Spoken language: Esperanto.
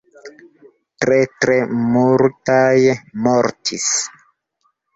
Tre tre multaj mortis.